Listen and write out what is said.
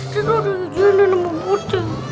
tadi kita udah nyuri nyuri sama putet